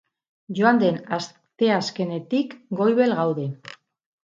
Joan den asteazkenetik goibel gaude.